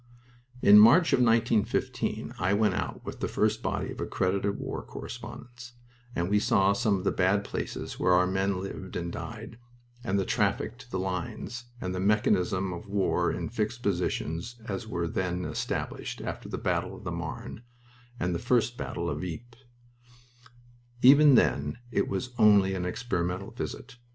In March of 1915 I went out with the first body of accredited war correspondents, and we saw some of the bad places where our men lived and died, and the traffic to the lines, and the mechanism of war in fixed positions as were then established after the battle of the Marne and the first battle of Ypres. Even then it was only an experimental visit.